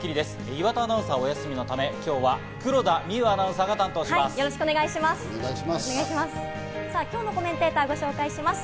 岩田アナウンサーはお休みのため、今日は黒田みゆアナウンサーが担当します。